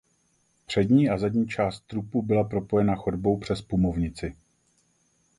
Přední a zadní část trupu byla propojena chodbou přes pumovnici.